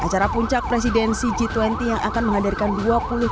pertama penanganan bom eksplosif